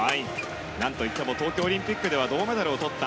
何といっても東京オリンピックでは銅メダルをとった。